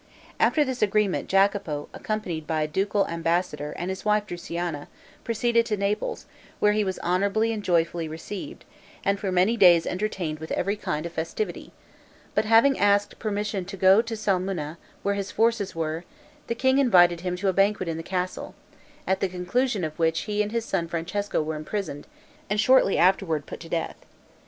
After this agreement, Jacopo, accompanied by a ducal ambassador and his wife Drusiana, proceeded to Naples, where he was honorably and joyfully received, and for many days entertained with every kind of festivity; but having asked permission to go to Sulmona, where his forces were, the king invited him to a banquet in the castle, at the conclusion of which he and his son Francesco were imprisoned, and shortly afterward put to death.